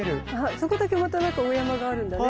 そこだけまたなんかお山があるんだね。